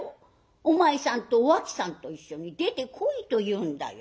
お前さんとお秋さんと一緒に出てこいというんだよ。